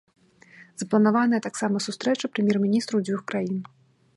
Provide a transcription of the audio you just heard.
Запланаваная таксама сустрэча прэм'ер-міністраў дзвюх краін.